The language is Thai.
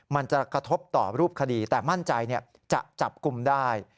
มันจะกระทบต่อรูปคดีแต่มั่นใจจะจับกลุ่มได้